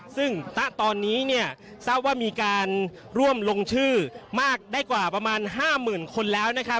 ซึ่งตะตอนนี้สาวว่ามีการร่วมลงชื่อมากได้กว่าประมาณ๕๐๐๐๐คนแล้ว